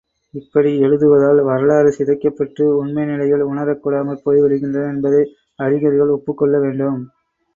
இப்படி எழுதுவதால் வரலாறு சிதைக்கப் பெற்று, உண்மை நிலைகள் உணரக் கூடாமற் போய்விடுகின்றன என்பதை அறிஞர்கள் ஒப்புக்கொள்ள வேண்டும்.